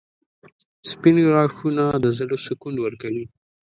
• سپین غاښونه د زړه سکون ورکوي.